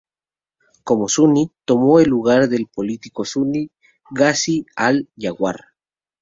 Como suní, tomó el lugar del político suní Ghazi al-Yawar.